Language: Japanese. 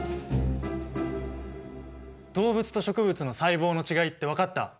動物と植物の細胞の違いって分かった？